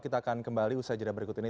kita akan kembali usai jeda berikut ini